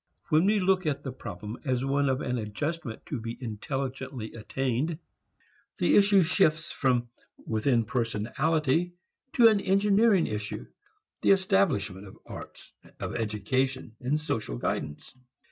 When we look at the problem as one of an adjustment to be intelligently attained, the issue shifts from within personality to an engineering issue, the establishment of arts of education and social guidance.